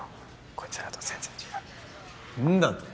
こいつらと全然違うんだと？